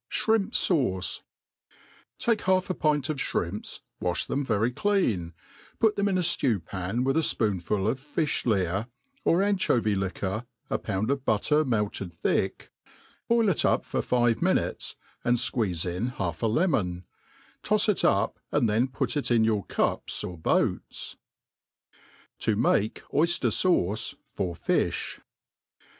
Shrimp Sauce. TAKE half a pint of (hrimps, walh them very clean, put them in a ftew pan with a fpoonful of fifli )ear, or anchovy* liquor, a pound of butter melted thick, boil it up for five mi nutes, and fqueeze in half a lemon ; tofs it up, and then put it in your cups or boats« To mah Oyjier Sauce for Fijh.